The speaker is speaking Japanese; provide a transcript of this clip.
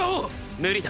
無理だ！